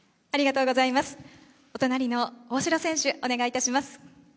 お隣の大城選手、お願いします。